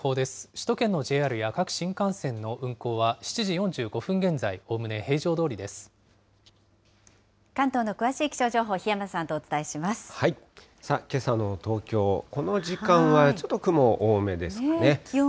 首都圏のＪＲや各新幹線の運行は７時４５分現在、おおむね平常ど関東の詳しい気象情報、檜山けさの東京、この時間はちょっと雲多めですかね。